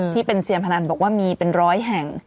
ที่เป็นเซียนพนันบอกว่ามีเป็นร้อยแห่ง